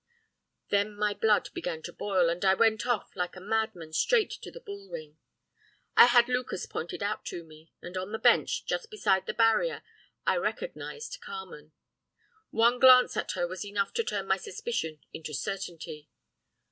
Then my blood began to boil, and I went off like a madman straight to the bull ring. I had Lucas pointed out to me, and on the bench, just beside the barrier, I recognised Carmen. One glance at her was enough to turn my suspicion into certainty.